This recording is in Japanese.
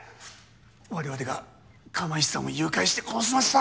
我々が釜石さんを誘拐して殺しました。